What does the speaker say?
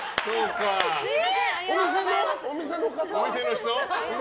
お店の人？